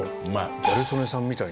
ギャル曽根さんみたいな。